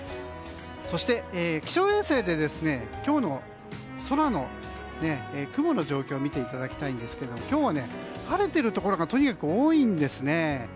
そして、気象衛星で今日の空の雲の状況を見ていただきたいんですが今日は晴れているところがとにかく多いんですね。